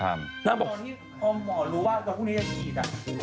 ตอนนี้พอหมอรู้ว่าตอนพรุ่งนี้จะฉีด